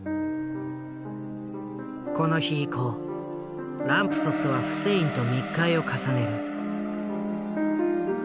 この日以降ランプソスはフセインと密会を重ねる。